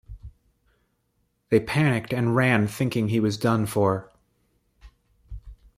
They panicked and ran thinking he was done for.